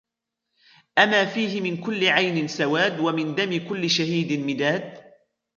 أما فيهِ منْ كُـلِّ عـينٍ سَـوادْ ومِـن دمِ كـلِّ شَـهيدٍ مِـدادْ؟